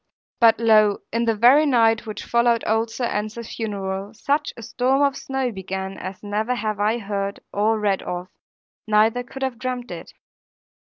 But lo, in the very night which followed old Sir Ensor's funeral, such a storm of snow began as never have I heard nor read of, neither could have dreamed it.